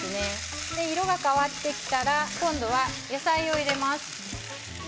色が変わってきたら今度は野菜を入れます。